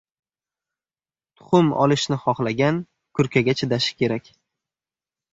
• Tuxum olishni xohlagan kurkaga chidashi kerak.